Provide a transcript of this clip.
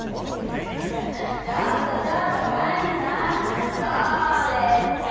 「いやちょっとちょっとワニさんどうですか？」。